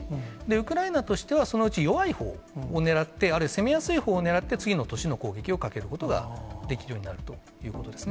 ウクライナとしては、そのうち弱いほうを狙って、あるいは、攻めやすいほうを狙って、次の都市の攻撃をかけることができるようになるということですね。